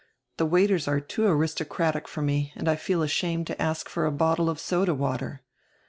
The waiters are too aristocratic for me and I feel ashamed to ask for a bottie of soda water."